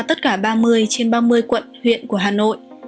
tất cả ba mươi trên ba mươi quận huyện của hà nội